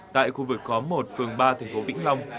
tại khu vực khóm một phường ba thành phố vĩnh long